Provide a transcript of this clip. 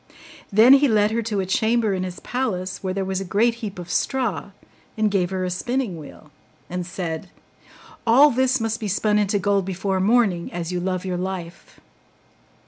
Then he led her to a chamber in his palace where there was a great heap of straw, and gave her a spinning wheel, and said, 'All this must be spun into gold before morning, as you love your life.